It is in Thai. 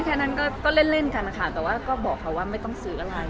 แค่นั้นก็เล่นกันนะคะแต่ว่าก็บอกเขาว่าไม่ต้องซื้ออะไร